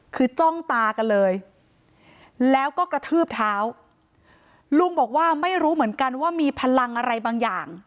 คือจ้องตากันเลยแล้วก็กระทืบเท้าลุงบอกว่าไม่รู้เหมือนกันว่ามีพลังอะไรบางอย่าง